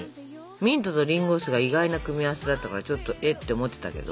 ミントとりんご酢が意外な組み合わせだったからちょっと「えっ？」って思ってたけど。